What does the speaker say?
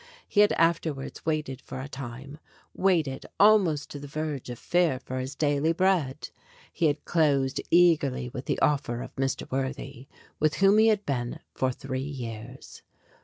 He had afterwards waited for a time, waited almost to the verge of fear for his daily bread. He had closed eagerly with the offer of Mr. Worthy, with whom he had been for three years.